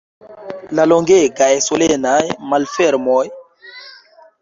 La longegaj solenaj malfermoj?